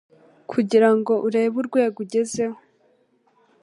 kugira ngo urebe urwego ugezeho